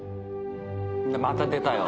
また出たよ！